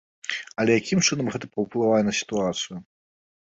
Але якім чынам гэта паўплывае на сітуацыю?